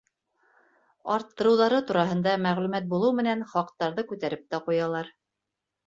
Арттырыуҙары тураһында мәғлүмәт булыу менән хаҡтарҙы күтәреп тә ҡуялар.